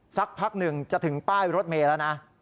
สักพักหนึ่งจะถึงป้ายรถเมย์แล้วนะ